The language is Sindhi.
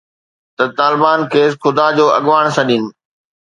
ته طالبان کيس خدا جو اڳواڻ سڏين